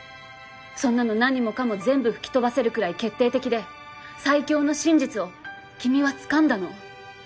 そんなの何もかも全部吹き飛ばせるくらい決定的で最強の真実を君はつかんだの。